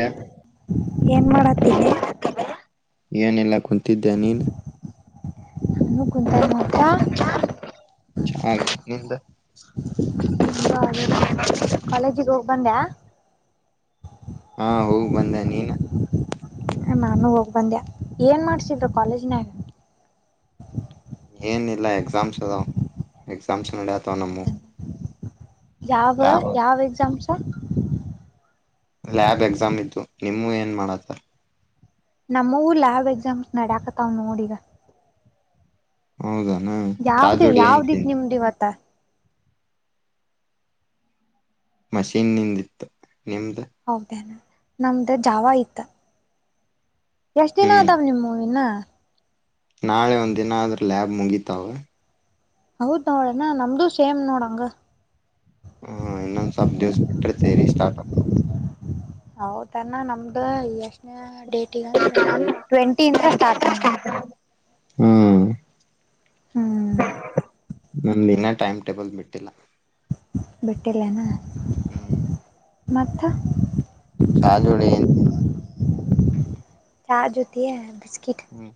ಯಾಕ್ ಏನೆಲ್ಲಾ ಕುಂತಿದ್ದೆ ನೀನ್ ಚೆನ್ನಾಗ ನಿಂದ [unintelligible] ಬಂದ್ಯಾ ಹಾ ಹೋಗ ಬಂದೆ ನೀನ ಹ ನಾನು ಹೋಗ್ ಬಂದೆ ಏನ್ ಮಾಡ್ಸಿದ್ರು ಕಾಲೇಜ್ನಾಗ ಏನಲ್ಲ ಎಕ್ಸಾಮ್ಸ್ ಅದ ಎಕ್ಸಾಮ್ಸ್ ನಡ ಆತವ ನಮ್ಮ ಯಾವ ಲ್ಯಾಬ್ ಯಾವ ಎಕ್ಸಾಮ್ ಸ ಲ್ಯಾಬ್ ಎಕ್ಸಾಮ್ ಇತ್ತು ನಿಮೂ ಏನ್ ಮಾಡತ ನಮ್ಮವೂ ಲ್ಯಾಬ್ ಎಕ್ಸಾಮ್ಸ್ ನಡಕತಾವ ನೋಡಿಗ ಹೌದಾ ಯಾವ್ದ ಯಾವ್ದಿತ್ ನಿಮ್ದ ಇವತ್ತ ಮಷೀನ್ಂದಿತ್ತು ಹೌದಣ ನಮ್ದ ಜಾವ ಆಐತ ಎಷ್ಟ್ ದಿನ ಹ್ಮ್ ಆದದಾವ್ ನಿಮ್ ಮೂವಿನ ನಾಳೆ ಒಂದ್ ದಿನ ಆದ್ರ ಲ್ಯಾಬ್ ಮುಗಿತಾವ ಹೌದ್ ನೋಡಣ ನಮ್ದು ಸೇಮ್ ನೋಡಂಗ ಹ್ಮ ಇನ್ನೊಂದು ಸಬ್ ದಿವಸ ಬಿಟ್ಟ್ರ ತರಿ ಸ್ಟಾರ್ಟ್ ಆಕ ಹೌದನ್ನ ನಮ್ದಯ ಡೇಟಗ ಅಂದ್ರೆ ಟ್ವೆಂಟಿಂತತ್ರ ಸ್ಟಾರ್ಟ್ ನೋಡಬ ಹ್ಮ್ ಹ್ಮ್ ಹ ನಮ್ದ ಇಿನ ಟೈಮ್ ಟೇಬಲ್ ಬಿಟ್ಟಿಲ್ಲ ಬಟೆಲನಾ ಹ್ಮ್ ಮಾಥಾ ಚಾ ಜೋಡಿ ಎ ತಿಿಂದ ಚಾ ಜ್ಯೊತಿ ಹ್ಮ್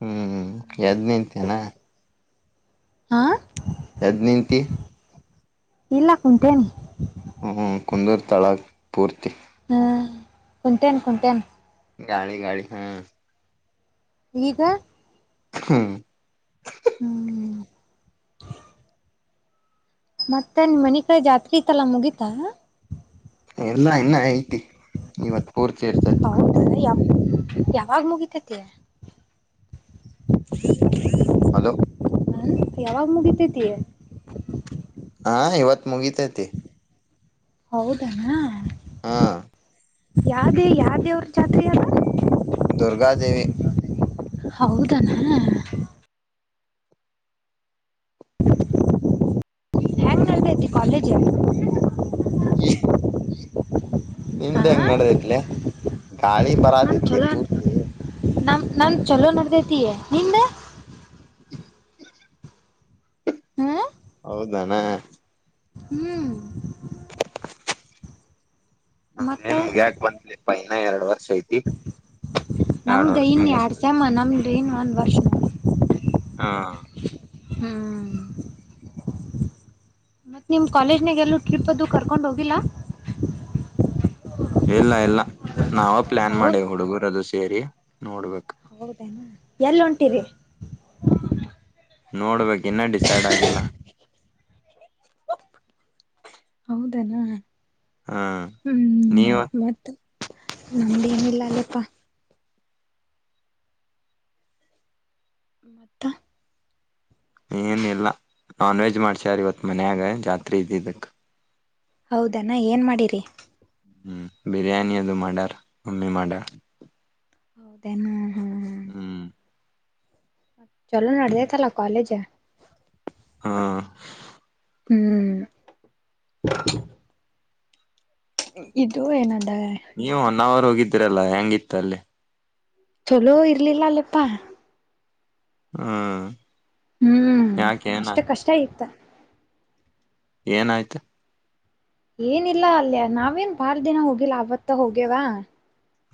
ಹ್ಮ್ ಹ್ಮ್ ಎದ್ನೇಂತನಾ ಹಾ ಎದ್ ನಿಂತ ಇಲ್ಲ ಕುಂಟೇನೆ ಹ್ಮ್ಮ ಕುಂದೂರು ತಳ ಪೂರ್ತಿ ಹ್ಮ್ ಕುಂಟೇಣ ಕುಂಟೇಣ ಗಾಳಿ ಗಾಳಿ ಹ್ಮ ಈಗ ಹ್ಮ್ ಹ್ಮ್ ಮತ್ತೆ ನಿ ಮನ ಕಡೆ ಜಾತ್ರೆ ಇತ್ತಲ್ಲ ಮುಗೀತಾ ಎಲ್ಲಾ ಇನ್ನ ಐತಿ ಇವತ್ ಪೂರ್ತಿ ಇರ್ತತಿ ಹೌದ ಯಾವ ಯಾವಾಗ ಮುಗಿತತಿ [unintelligible] ಹಲೋ ಹ ಯಾವಾಗ ಮುಗಿದ್ದೇ ತ ಹಾ ಇವತ್ತು ಮುಗಿತೈತಿ ಹೌದಣ ಹಾ ಯಾವ್ದೇ ಯಾವ್ದೇ ದೇವರ ಜಾತ್ರೆ ಮಧು ದುರ್ಗಾದೇವಿ ಹೌದಾ ಹೆ್ಯಾಂ ನದ ಕಾಲೇಜಲ್ಲಿ ಹಾ ನಿಂಡೆ ಹೆಂಗಡದಲೆ ಗಾಳಿ ಬರ ದಲಿ ಪೂರ್ತಿ ನಾನ್ ಚಲೋ ನಡದೈತಯ ನಿಂದ [unintelligible] ಹಾ ಹೌದಾನ ಹ್ಮ್ ಮತ್ತ ನಮ್ದೇನ್ ಮುಗಿತ್ ಬಂದ್ಲೆ ಇನ್ನ ಎರಡು ವರ್ಷ ಐತಿ ಎರಡ್ ನಮ್ದು ವರ್ಷ ಇನ್ ಮುಗಸ್ ಎರಡ್ಸಮ ನಮ್ದು ಇನ್ ಒಂದ್ ವರ್ಷ ಹ ಹಾ ಹ ಮತ್ತ ನಿಮ್ ಕಾಲೇಜ್ನಾಗ ಎಲ್ಲೂ ಟ್ರಿಪ್ ಅದು ಕರ್ಕೊಂಡ್ ಹೋಗಿಲ್ಲ ಇಲ್ಲ ಇಲ್ಲ ನಾವವು ಪ್ಲಾನ್ ಹೌದ ಮಾಡೇ ಹುಡುಗುರು ಅದು ಸೇರಿ ನೋಡ್ಬೇಕು ಹೌದೇನಾ ಎಲ್ಲುಂಟಿರಿ ನೋಡ್ಬೇಕ ಇನ್ನೂ ಡಿಸೈಡ್ ಆಗಿಲ್ಲ ಹೌದನಾ ಹಾ ಹ್ಮ್ ನೀವ ಮತ್ತ ನಮ್ದೇನಿಲ್ಲ ಅಲ್ಲಪ್ಪಾ ಮತ್ತ ಏನ್ ಇಲ್ಲ ನಾನ್ ವೆಜ್ ಮಾಡ್ಸಾರ ಇವತ್ ಮನ್ಯಾಗ ಜಾತ್ರಿ ಇದಿದಕ್ ಹೌದಣ ಏನ್ ಮಾಡಿರಿ ಹೂಬಿರಿಯಾನಿ ಅದು ಮಾಡ್ಯಾರ್ ಮಮ್ಮಿ ಮಾಡಾರ್ ಹೌದೇನ ಚಲೋ ನಡದೇತಲ್ಲಾ ಕಾಲೇಜ್ ಹಾ ಹ್ಮ್ ಇದು ಏನಂದ ನೀವು ಒನ್ ಅವರ್ ಹೋಗಿದ್ದ ರಲ್ಲ ಹೆಂಗಿತ್ತ ಅಲ್ಲಿ ಚಲೋ ಇರ್ಲಿಲ್ಲ ಅಲ್ಲಪ್ಪಾ ಹ್ಮ್ ಹೂ ಯಾಕೆ ಅಷ್ಟ ಏನಾಯ್ತು ಕಷ್ಟ ಇತ್ತ ಏನಾಯ್ತು ಏನಿಲ್ಲ ಅಲ್ಯ ನಾವೇನ್ ಬಾರ್ ದಿನ ಹೋಗಿಲ್ಲ ಆವತ್ತ ಹೋಗ್ಯವಾ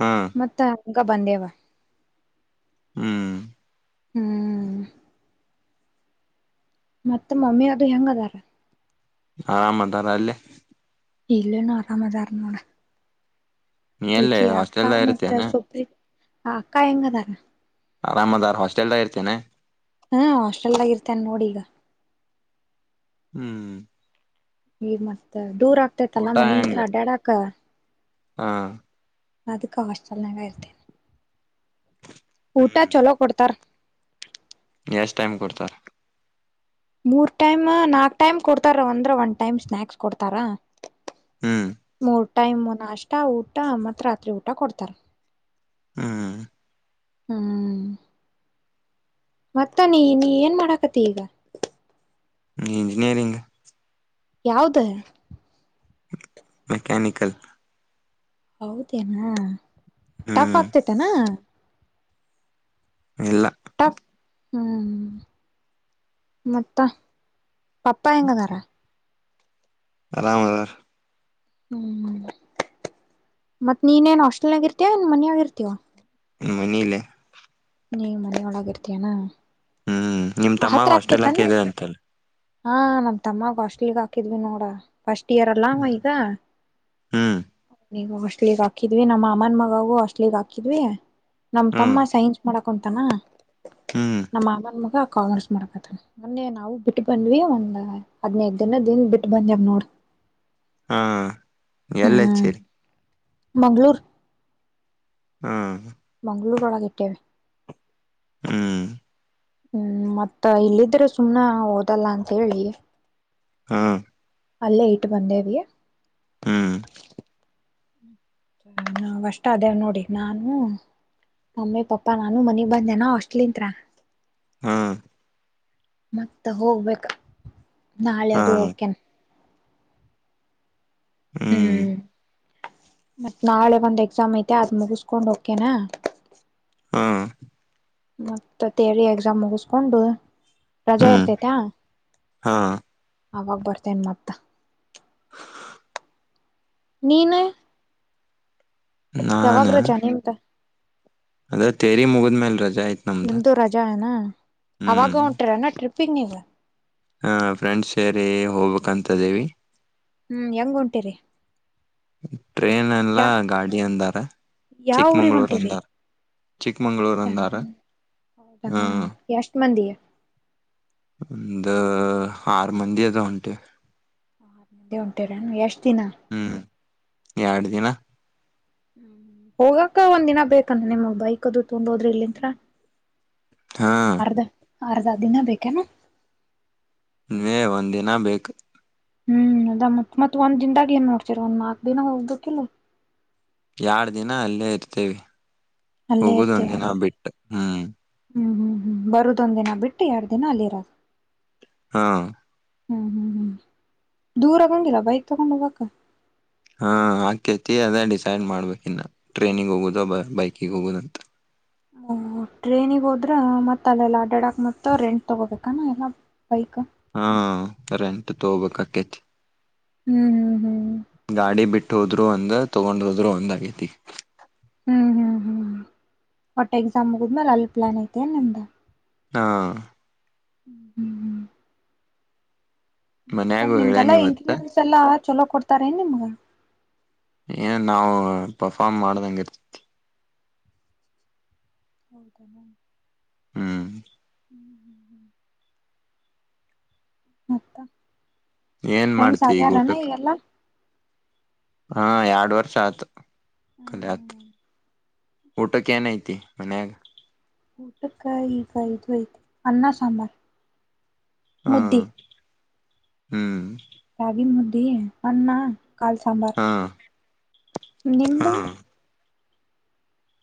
ಹ್ಮ್ ಮತ್ತೆ ಹಕ ಬಂದೇವಾ ಹೂ ಹೂ ಮತ್ತೆ ಮಮ್ಮಿ ಅದು ಹೆಂಗ ಅದಾರ ಹ ಮದಾರ ಅಲ್ಲೇ ಇಲ್ಲನು ಆರಾಮದಾರ ನೋಡ ನೀ ಈ ಎಲ್ಲಿ ಅಕ್ಕಾ ಹಾಸ್ಟೆಲ್ದಾಗ ಮತ್ತ ಇರ್ತೇನೆ ಸೊಪಲಿ ಹ ಅಕ್ಕಾ ಹೆಂಗ ತಾರ ಆರಾಮದಾರ್ ಹಾಸ್ಟೆಲ್ದ ಇರ್ತನೆ ಹಾ ಹಾಸ್ಟೆಲ್ ಆಗ ಇರ್ತೇನ್ ನೋಡಿ ಈಗ ಹೂ ನೀರ್ ಮಸ್ತ ದೂರ ಆಗ್ತೈತಲ್ಲ ಮನಿಂತ್ರ ಅಡ್ಡ್ಯಾಡಾಕ ಹಾ ನ ಅದುಕ್ಕ ಹಾಸ್ಲ್ನಂಗ ಇರ್ತೇನೆ ಊಟ ಹ್ಮ್ ಚಲೋ ಕೊಡ್ತಾರ ಎಷ್ಟ ಟೈಮ್ ಕೊಡ್ತಾರೆ ಮೂರ್ ಟೈಮ್ ನಾಕ್ ಟೈಮ್ ಕೊಡ್ತಾರ ಒಂದ್ರೆ ಒಂದ್ ಟೈಮ್ ಸ್ನಾಾಕ್ಸ್ ಕೊಡ್ತಾರಾ ಹ್ಮ್ ಮೂರ್ತಿ ಟೈಮ್ ಅಷ್ಟ ಊಟ ಮತ್ತು ರಾತ್ರಿ ಊಟ ಕೊಡ್ತಾರೆ ಹೂ ಹೂ ಮತ್ತ ನೀ ನೀ ಏನ್ ಮಾಡಾಕತಿ ಈಗ ಇಂಜಿನಿಯರಿಂಗ್ ಯಾವ್ದ ಮೆಕ್ಯಾನಿಕಲ್ ಹೌದೇನಾ ಟಫ್ ಹ್ಮ್ ಆಗ್ತತನಾ ಇಲ್ಲ ಟಾಪ್ ಹ್ಮ್ ಮತ್ತ ಪಪ್ಪಾ ಹೆಂಗ್ ಹರ ಆರಾಮ್ ಅದರ ಹೂ ಮತ್ತತ್ ನೀನ್ೇನ್ ಹಾಸ್ಟೆಲ್ನಗ ಇರ್ತೀಯ ಏನ್ ಮನ್ಯಾಗ ಇರ್ತೀವ ಹೂ ಮನೇಲೆ ನೀ ಮನೆಯ ಒಳಾಗರ್ತೀಯಾನ ಹಾ ನಿಮ್ ತಮ್ಮ ಹಾಸ್ಟೆಲ್ ಹಕ್ ಅಂತಲ್ಲ ಹಾ ನಮ್ ತಮ್ಮ ಅಸ್ಟ್ಲಿಗ್ ಹಾಕಿದ್ವಿ ನೋಡ ಫಸ್ಟ್ ಇಯರ್ ಎಲ್ಲಾಮ ಈಗ ಹ್ಮ್ ನೀಗ ಅಸ್ಲಿಗೆಗ್ ಹಕಿದ್ವಿ ನಮ್ಮ ಮಾಮನ ಮಗಗೂ ಹಸ್ಲಿಗ್ ಹಾಕಿದ್ವಿ ನಮ್ ಹ್ಮ್ ತಮ್ಮ ಸೈನ್ಸ್ ಮಾಡ ಕುಂತಾನ ಹ್ಮ್ ನಮ್ಮ ಮಾಮನ ಮುಗ ಕಾಮರ್ಸ್ ಮಾಡಕತ್ತ ಮೊನ್ನೆ ನಾವು ಬಿಟ್ಟು ಬಂದ್ವಿ ಒಂದ್ ಹದ್ನೈದು ದಿನ ದಿಂದ ಬಿಟ್ಟು ಬಂದ್ಯವ ನೋಡ ಹಾ ಎಲ್ಲ ಸರಿ ಮಂಗಗಳೂರು ಹ್ಮ್ ಮಂಗಳೂರುಒಳ ಕೆಟ್ಟವೆ ಹ್ಮ್ ಹ್ಮ್ ಮತ್ತ ಇಲ್ಲಿದ್ರೆ ಸುಮ್ ಹಓದಲ್ಲ ಅಂತ ಹೇಳಿ ಹ್ಮ ಅಲ್ಲೇ ಇಟ್ ಬಂದೇವಿ ಹ್ಮ್ ನಾವ ಅಷ್ಟ ಅದೇವ ನೋಡಿ ನಾನು ಮಮ್ಮಿ ಪಾಪಾ ನಾನು ಮನಿ ಬಂದೆನ ಅಷ್ಟಲಿತ್ರ ಹಾ ಮತ್ತ ಹೋಗ್ಬೇಕ ನಾಳೆ ಅದು ಹ್ಮ್ ಕೆನ್ ಹ್ಮ್ ಮತ್ತ್ ನಾಳೆ ಒಂದ್ ಎಕ್ಸಾಮ್ ಐತೆ ಅದ ಮುಗಸ್ಕೊಂಡ್ ಕೇನಾ ಹಾಂ ಮತ್ತತ್ತೇರಿ ಎಕ್ಸಾಮ್ ಮುಗಸ್ಕೊಂಡು ರಜಾ ಹ್ಮ್ ಇರ್ತೇತಾ ಹಾ ಆವಾಗ ಬರ್ತೇನೆ ಮತ್ತ ನೀನು ಯಾವಾಗ್ ರಜಾ ನಿಮ್ಂತ ಅದೇ ತೇರಿ ಮುಗಿದ್ಮೇಲ್ ರಜ ನಿಮ್ದು ರಜಾ ಅನಾ ಅವಾಗ ಹ್ಮ್ ಹೊಂಟರನಾ ಟ್ರಿಪ್ಪಿಂಗ ಈಗ ಹ ಫ್ರೆಂಡ್ಸ್ ಸೇರಿ ಹೋಗ್ಬೇಕ ಅಂತಯಿದೀವಿ ಹ್ಮ್ ಹೆಂಗ ಉಂಟಿರಿ [inaudible] ಟ್ರೇನ್ಲಗಾಡಿ ಅಂದಾರೆ ಯಾವ ಊರಿಗ್ ಚಿಕ್ಕಮಂಗ್ಳೂರು ಹೊಂಟಿರಿ ಅಂದಾರ ಚಿಕ್ಕಮಂಗಳೂರು ಹೌದಾ ಅಂದಾರ ಹಾ ಹೌದನಾ ಎಷ್ಟ್ ಮಂದಿ ಒಂದು ಆರು ಮಂದಿ ಅದ ಉಂಟೆ ಉಂಟಿವವ್ರ ಎಷ್ಟು ಚನ್ನ ಎರಡ ದಿನ ಹ್ಮ ಹೋಗಕ ಒಂದ ದಿನ ಬೇಕನ್ ನಿಮ ಬೈಕ್ ಅದು ತೊಂಡೋದ್ರೆ ಹೋದ್ರಿ ಇಲ್ಲಿಂತ್ರ ಹಾ ಅರ್ದ ಅರ್ಧ ದಿನ ಬೇಕೇನಾ ನೀ ಒಂದ್ ದಿನ ಬೇಕು ಹ್ಮ್ ಅದ ಮತ್ ಮತ್ತತ್ ಒಂದ್ ದನ್ದಾಗ ಏನ್ ನೋಡ್ತರ ಒಂದ್ ನಾಲ್ಕ್ ದಿನ ಹೋಗ್ದಕ್ಕ ಇಲ್ ಎಡ್ ದಿನ ಅಲ್ಲೇ ಇರ್ತೇವಿ ಅಲ್ಲೇ ಹೋಗೋದ ಒಂದ ಇರ್ತೀರ ದಿನ ಬಿಟ್ಟು ಹ್ಮ್ ಹ್ಮ್ ಹ್ಮ್ ಹ್ಮ್ ಬರುದೊಂದ್ ದಿನ ಬಿಟ್ಟು ಎರಡು ದಿನ ಅಲ್ಲಿರದು ಹಾ ಹ್ಮ್ ಹ್ಮ್ ಹ್ಮ್ ದೂರ ಬಂಗಿಲ್ಲ ಬೈಕ್ ತಗೊಂಡು ಹೋಗಕ್ಕ ಹಾ ಆಾಕೇತಿ ಅದೇ ಡಿಸೈಡ್ ಮಾಡ್ಬೇಕ ಇನ್ನ ಟ್ರೈನಿಿಗೆ ಹೋಗುದ ಬ ಬೈಕಿಿಗೆ ಹೋಗುದಂತ ಹ ಟ್ರೈನಿಗೆ ಹೋದ್ರ ಮತ್ತತ್ ಅಲ್ಲೆಲ್ಲ ಅಡಾಡಕ್ ಮತ್ತು ರೆಂಟ್ ತಗೋಬೇಕಾನ ಎಲ್ಲ ಬೈಕ್ ಹಾ ರೆಂಟ್ ತಗಬೇಕಕ್ಕತ್ರಿ ಹ್ಮ್ ಹ್ಮ್ ಹ್ಮ್ ಗಾಡಿ ಬಿಟ್ಟ ಬಿಟ್ಟ ಹೋದ್ರು ಒಂದ ತಗೊಂಡ್ ಹೋದ್ರು ಒಂದ್ ಆಗೈತಿ ಹ್ಮ್ ಹ್ಮ್ ಹ್ಮ್ ಒಟ್ಟ ಎಕ್ಸಾಮ್ ಮುಗಿದ್ಮೇಲೆ ಅಲ್ಲಿ ಪ್ಲಾನ್ ಐತೆ ನಿಮ್ದ ಹಾ ಹ್ಮ್ ಹ್ಮ್ ಹ್ಮ್ ಮತ್ತ ಮನ್ಯಾಗು ಹೇಳೇನ ನಿಮ್ಗೆಲ್ಲಾ ಇವತ್ತ ಇಂಟಸ ಎಲ್ಲ ಚಲೋ ಕೊಡ್ತಾರೆ ನ್ ನಿಮ್ಗ ಏನ್ ನಾವು ಪರ್ಫಾರ್ಮ್ ಮಾಡದಂಗ ಇರ್ತತಿ ಹೌದೇ ಮ್ಯಾಮ್ ಹ್ಮ್ ಮತ್ತ ಏನ್ ಫ್ರೆಂಡ್ಸ್ ಮಾಡ್ತಿ ಈಗ ಹಾಗಗ್ಯಾರನಾ ಊಟಕ್ ಈಗೆಲ್ಲ ಹಾ ಎರಡು ವರ್ಷ ಆಯತು ಕಲತ್ ಊಟಕ್ಕೆ ಏನ್ಐತಿ ಮನ್ಯಾಗ ಊಟಕ್ಕ ಈಗ ಇದು ಐತೆ ಅನ್ನ ಸಾಂಬಾರ್ ಹಾ ಮುದ್ದಿ ಹ್ಮ್ ರಾಗಿ ಮುದ್ದಿ ಅಣ್ಣ ಕಲ್ ಸಾಂಬಾರ ಹಾ ನಿಮದುು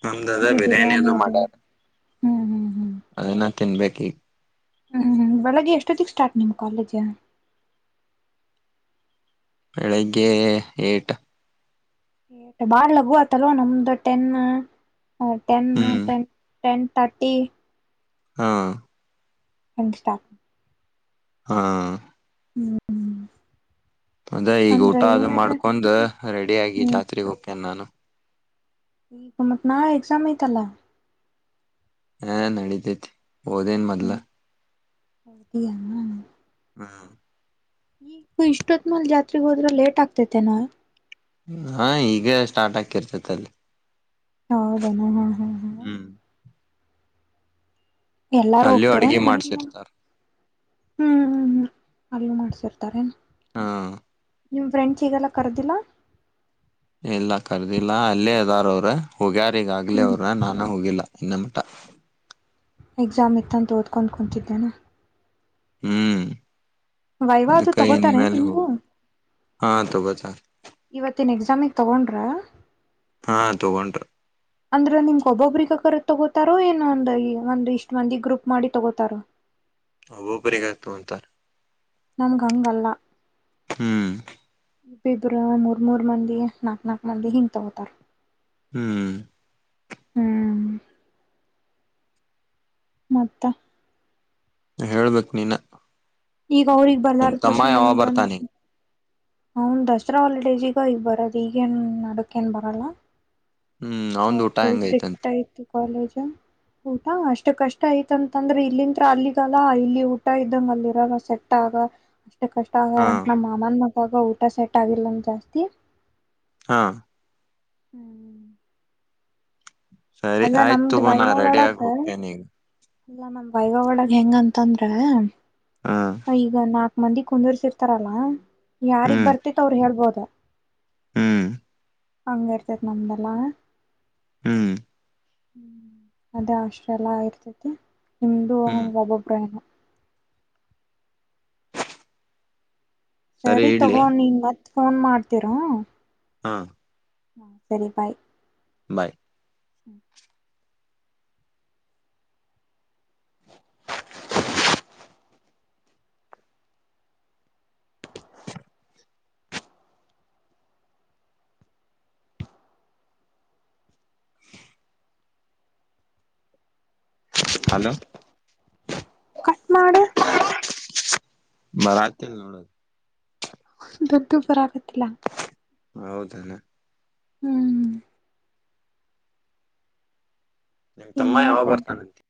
ನಮ ಅದ ಬಿರಿಯಾನಿ ಬಿರಿಯಾನಿದು ಅದು ಮಾಡಾರ ಹ್ಮ್ ಹ್ಮ್ ಹ್ಮ್ ತಿನ್ಬೇಕು ಈಗ ಹ್ಮ್ ಬೆಳಗ್ಗೆ ಎಷ್ಟೊತ್ತಿಗೆ ಸ್ಟಾರ್ಟ್ ನಿಮ್ ಕಾಲೇಜ ಬೆಳಿಗ್ಗೆ ಇಗ್ಟ್ ಬಾಳ್ ಲಘು ಆತಲ್ವ ನಮ್ದು ಟೆನ್ ಹ ಟೆನ್ ಹ್ಮ್ ಟೆನ್ ಟೆನ್ ತರ್ಟಿ ಹಾ ಹಷ್ಟಾಪ ಹಾ ಹ್ಮ್ ಅದ ಈಗ ಅಂದ್ರ ಊಟ ಅದು ಏನಾರ ಮಾಡ್ಕೊಂಡ್ ರೆಡಿ ಆಗಿ ಜಾತ್ರೆಗೆ ಹೋಗಕ್ಯನೆ ನಾನು ಇ ಮತ್ತ ನಾ ಎಕ್ಸಾಮ ಐತಲ್ಲ ಹಾ ನಡಿದ್ದೈತಿ ಒದನು ಮದಲ ಹೌ ಹ್ಮ ಈ ಇಷ್ಟೋತ್ಮಲ್ ಜಾತ್ರೆಗೆ ಹೋದ್ರೆ ಲೇಟ್ ಆಗ್ತೇತೆ ನ ಹಾ ಈೀಗ ಸ್ಟಾರ್ಟ್ ಆಕಿರ್ತತಿ ಅಲ್ಲಿ ಹೌದನ ಹಾ ಹಾ ಹಾ ಹ್ಮ್ ಎಲ್ಲಾರು ಅಲ್ಲಿಯೂ ಅಡ್ಗೆ ಹೋಗ್ತಾರೆಮ್ಮ ಮನ ಹ್ಮ್ ಮಾಡ್ಸಿರ್ತಾರ ಹ್ಮ್ ಹ್ಮ್ ಅಲ್ಲಿ ಮಾಡ್ಸಿರ್ತಾರೆ ಹಾ ನಿಮ ಫ್ರೆಂಚ್ ಈಗೆಲ್ಲ ಕರ್ದಿಲ್ಲ ಇಲ್ಲ ಕರ್ದಿಲ್ಲಾ ಅಲ್ಲೇ ಇದದಾರ ಅವ್ರ ಹೋಗ್ಯಾರ ಈಗಾಗಗಲಿ ಹ್ಮ್ ಅವರು ನಾನು ಹೋಗಿಲ್ಲ ಇನ್ನ ಮಟ ಎಕ್ಸಾಮ್ ಇತ್ತಂತ ಓದ್ಕೊಂಡು ಕುೂಂತಿದ್ದೇನಾ ಹ್ಮ್ ವೈವಾ ಅದು ಕೈ ತಗೋತಾರೆ ಮೇಲೆ ನಿಮ್ಗೂ ಹಾ ತ ಬ [unintelligible] [inaudible] ಇವತ್ತಿನ ಎಕ್ಸಾಮಿಗೆ ತಗೊಂಡ್ರ ಹಾ ತಗಂಟು ಅಂದ್ರೆ ನಿಮ್ಕ್ ಒಬ್ಬೊಬ್ರಗ ಕರ ತಗೋತಾರೋ ಏನ ಒಂದ ಒಂದು ಇಷ್ಟ ಮಂದಿ ಗ್ರೂಪ್ ಮಾಡಿ ತಗೋತಾರೋ ಹ ಒಬ್ಬರಿಗಾಯ್ತು ಅಂತಾ ನನ್ಗ ಹಂಗಲ್ಲ ಹೂ ಇಬ್ಬರು ಮೂರ್ ಮೂರ್ ಮಂದಿ ನಾಕ್ ನಕ್ ಮಂದಿ ಹಿಂಗ್ ತಗೋತಾರ ಹೂ ಹೂ ಮತ್ತ ಹೇಳ್ಬೇಕಕ್ ನೀನ ಈಗ ಅವ್ರಗ್ ನಿಮ್ ಬರ್ಲಾರ್ದ ತಮ್ಮ ಕವಶನ್ ಯಾವಾಗ ನಮಗ್ ಬರ್ತಾನೆ ಬಂದ ಅವನ್ ದಸರಾ ಹಾಲಿಡೇಜ ಈಗ ಈ ಬರದು ಈಗೇನ್ ನಡಕ್ ಏನ್ ಬರಲ್ಲ ಹ್ಮ್ ಅವ್ರ ಅವಂದು ಊಟ ಫುಲ್ ಹೆಂಗೈ್ತಂತ ಸ್ಟ್ರಿಕ್ಟ್ ಐತಿ ಕಾಲೇಜ್ ಊಟ ಅಷ್ಟು ಕಷ್ಟ ಆ ಐತಂತಂದ್ರೆ ಇಲ್ಲಿಂತ್ರ ಅಲ್ಲಿಗಲ್ಲ ಇಲ್ಲಿ ಊಟ ಇದ್ದಂಗ ಅಲ್ಲಿರಾಗ ಸೆಟ್ ಆಗ ಷ್ಟ ಕಷ್ಟ ಆಗಾರ ಹಾ ಅಂತ ನಮ್ಮ ಮಾಮನ್ ಪಾಪ ಊಟ ಸೆಟ್ ಆಗಿಲ್ಲ ಅಂತ ಜಾಸ್ತಿ ಹಾ ಹೂ [inaudible] [inaudible] ಸರಿ ಆಯ್ತು ತಗೋ ನಾ ರೆಡಿ ಆಗಿ ಹೋಗ್ತೇನೆ ಈಗ ಅಲ್ಲಾ ನಮ ವೈವಾ ಒಳಗ ಹೆಂಗಂತಂದ್ರ ಹ ವೈವಾ ನಾ ಮಂದಿ ಕುಂದೀರಸ್ತರಲ್ಲ ಯಾರಿಗೆ ಬರ್ತಿತ್ತು ಅವ್ರು ಹೇಳ್ಬೋದ ಹೂ ಹಂಗ ಇರ್ತಾತಿ ನಮ್ದೆಲ್ಲಾ ಹೂ ಹೂ ಅದೇ ಆಷ್ಟ್ರ ಎಲ್ಲ ಇರ್ತಾತಿ ಕೂ ನಂದು ಹ್ಮ್ ಅದೇ ಪ್ರಾಬ್ಲೆಮ್ ಸರಿ ತಗೋ ನೀ ಫೋನ್ ಮಾಡ್ತಾ ಇರು ಹಾ ಹಾ ಸರಿ ಬಾಯ್ ಬಾಯ್ ಹೂ ಹಲೋ ಕಟ್ ಮಾಡು ಭಾರತೀಲ್ಲಾ ನೋಡು ಅದು ದುಡ್ಡು ಬರಕಾತಿಲ್ಲ ಹೌದ ಏನ ಹೂ ನಿಮ್ ತಮ್ಮ ಹಿಂಗ್ ಯಾವ ಮಾಡ್ತೇಂತ ಬರ್ತಾನಂತೆ